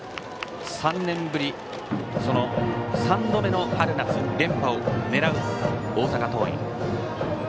３年ぶり３度目の春夏連覇を狙う大阪桐蔭。